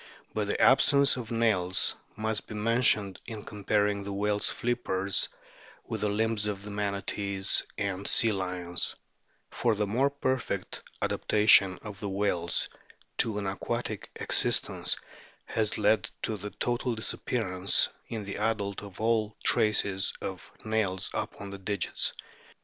But the absence of nails must be mentioned in comparing the whale's flippers with the limbs of Manatees and Sea lions ; for the more perfect adaptation of the whales to an aquatic existence has led to the total disappear ance in the adult of all traces of nails upon the digits.